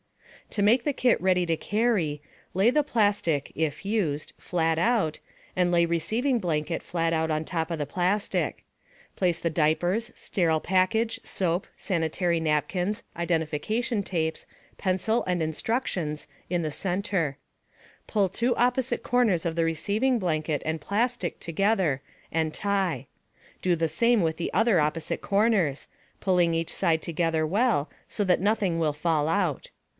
To make the kit ready to carry, lay the plastic (if used) out flat, and lay receiving blanket out flat on top of the plastic. Place the diapers, sterile package, soap, sanitary napkins, identification tapes, pencil and instructions in the center. Pull two opposite corners of the receiving blanket and plastic together and tie. Do the same with the other opposite corners, pulling each side together well so that nothing will fall out.